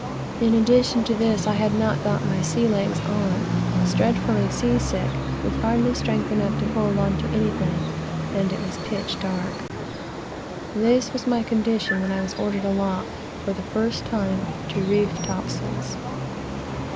In addition to all this, I had not got my "sea legs on," was dreadfully sick, with hardly strength enough to hold on to anything, and it was "pitch dark." This was my state when I was ordered aloft, for the first time, to reef topsails.